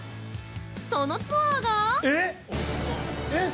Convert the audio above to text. そのツアーが◆えっ！！